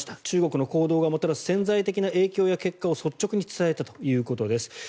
中国の行動がもたらす潜在的な影響や結果を率直に伝えたということです。